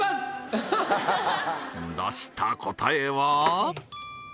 出した答えは？